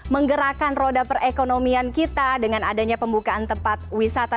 menggerakkan roda perekonomian kita dengan adanya pembukaan tempat wisata